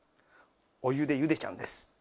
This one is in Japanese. お湯でゆでちゃうんです。